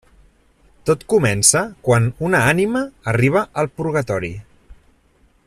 Tot comença quan una ànima arriba al purgatori.